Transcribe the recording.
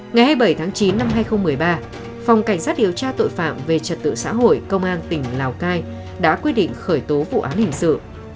ngày hai mươi bảy tháng chín năm hai nghìn một mươi ba phòng cảnh sát điều tra tội phạm về trật tự xã hội công an tỉnh lào cai đã quyết định khởi tố vụ án hình sự